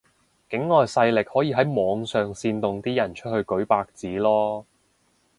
境外勢力可以喺網上煽動啲人出去舉白紙囉